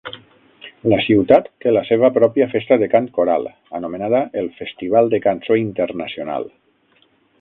La ciutat té la seva pròpia festa de cant coral, anomenada el Festival de Cançó Internacional.